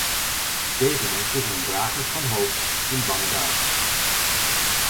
Deze mensen zijn dragers van hoop in bange dagen.